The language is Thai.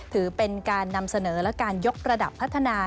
ถือเป็นการนำเสนอและการยกระดับพัฒนา